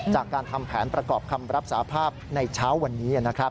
จากการทำแผนประกอบคำรับสาภาพในเช้าวันนี้